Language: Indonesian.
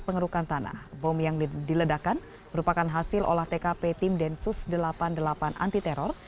pengerukan tanah bom yang diledakan merupakan hasil olah tkp tim densus delapan puluh delapan anti teror